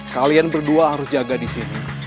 kalian berdua harus jaga disini